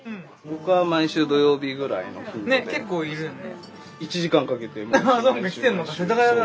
ねっ結構いるよね。